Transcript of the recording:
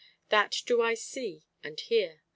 That do I see and hear.